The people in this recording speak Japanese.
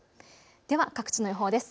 では各地の予報です。